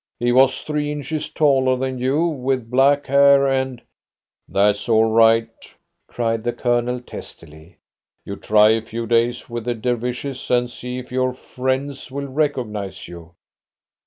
He was three inches taller than you, with black hair and " "That's all right," cried the Colonel testily. "You try a few days with the Dervishes, and see if your friends will recognise you!"